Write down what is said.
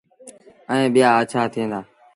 ائيٚݩ ٻيٚآ اَڇآ ٿئيٚݩ دآ۔